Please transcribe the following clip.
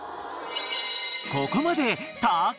［ここまで］